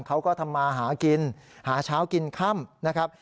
เขาก็ทำมาหากินหาเช้ากินค่ำนะครับ